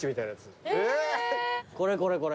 これこれこれ。